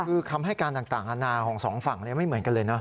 คือคำให้การต่างอาณาของสองฝั่งไม่เหมือนกันเลยนะ